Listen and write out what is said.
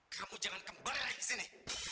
kamu jangan kembali ke sini